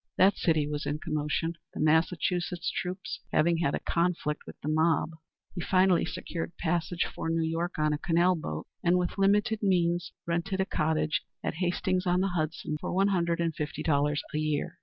That city was in commotion, the Massachusetts troops having had a conflict with the mob. He finally secured passage for New York on a canal boat, and with limited means rented a cottage at Hastings on the Hudson, for one hundred and fifty dollars a year.